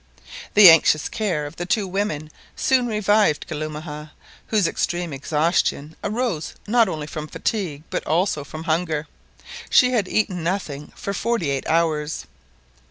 The anxious care of the two women soon revived Kalumah, whose extreme exhaustion arose not only from fatigue but also from hunger. She had eaten nothing for forty eight hours.